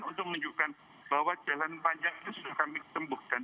untuk menunjukkan bahwa jalan panjang itu sudah kami tembukkan